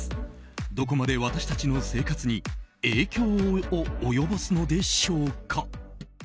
どこまで私たちの生活に影響を及ぼすのでしょうか。